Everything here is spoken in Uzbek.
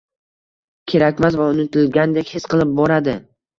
kerakmas va unutilgandek his qila boradi.